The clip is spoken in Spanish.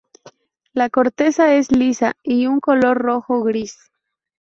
La corteza es lisa y un color rojo-gris.